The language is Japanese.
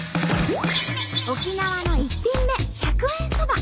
沖縄の１品目１００円そば。